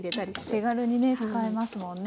手軽にね使えますもんね。